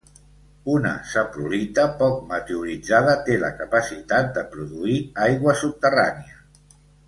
Una saprolita poc meteoritzada té la capacitat de produir aigua subterrània.